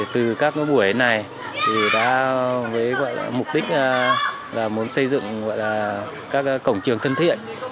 từ các buổi này với mục đích muốn xây dựng các cổng trường thân thiện